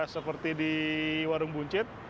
seperti di warung buncit